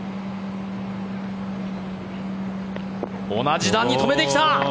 同じ段に止めてきた！